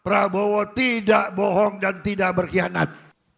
prabowo tidak bohong dan tidak berkhianat